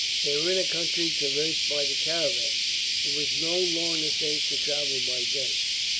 They were in a country traversed by the caravans; it was no longer safe to travel by day.